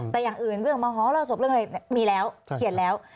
แต่อย่างอื่นเรื่องมหรสบเรื่องอะไรมีแล้วเขียนแล้ว